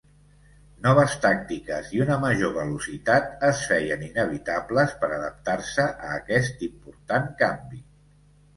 Noves tàctiques, i una major velocitat es feien inevitables per adaptar-se a aquest important canvi.